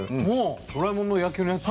「ドラえもん」の野球のやつ？